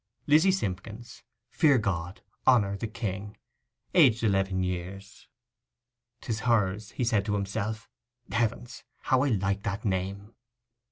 'Lizzy Simpkins. Fear God. Honour the King. 'Aged 11 years. ''Tis hers,' he said to himself. 'Heavens, how I like that name!